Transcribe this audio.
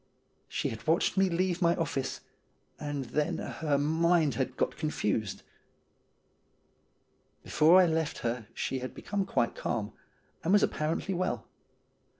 She had watched me leave my office, and then her mind had got confused. Before I left her she had become quite calm, and was ap parently well.